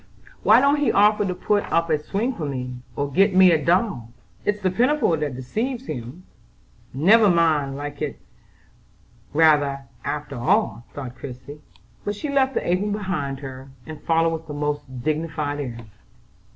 "Why don't he offer to put up a swing for me, or get me a doll? It's the pinafore that deceives him. Never mind: I rather like it after all," thought Christie; but she left the apron behind her, and followed with the most dignified air.